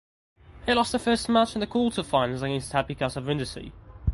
They lost the first match in the quarter finals against Happy Casa Brindisi.